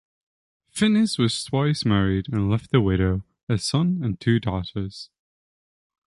Finniss was twice married and left a widow, a son and two daughters.